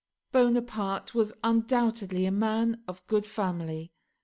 Bonaparte was undoubtedly a man of good family.